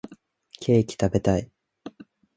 ケーキ食べたい